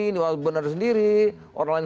ini orang benar sendiri orang lain